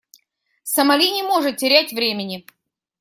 Сомали не может терять времени.